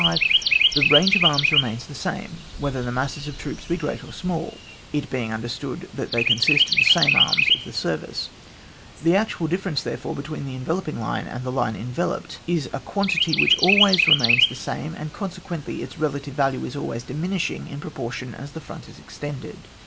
345) the range of arms remains the same, whether the masses of troops be great or small (it being imderstood that they con sist of the same arms of the service), the actual difference, therefore, between the enveloping line and the line enveloped, is a quantity which always remains the same; and, consequently, its relative value is always diminishing in proportion as the front is extended.